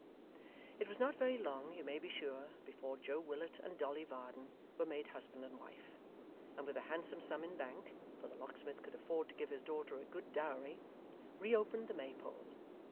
It was not very long, you may be sure, before Joe Willet and Dolly Varden were made husband and wife, and with a handsome sum in bank (for the locksmith could afford to give his daughter a good dowry), reopened the Maypole.